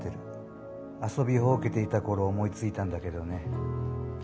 遊びほうけていた頃思いついたんだけどね。